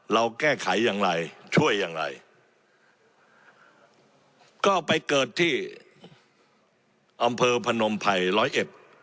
เราแก้ไขอย่างไรช่วยอย่างไรก็ไปเกิดที่อำเภอพนมภัยร้อยเอ็ด